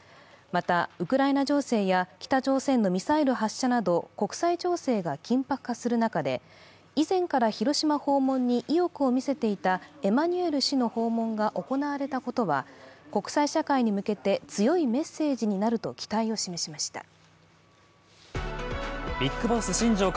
また、ウクライナ情勢や北朝鮮のミサイル発射など国際情勢が緊迫化する中で、以前から広島訪問に意欲を見せていたエマニュエル氏の訪問が行われたことは国際社会に向けて強いメッセージになると期待を示しました。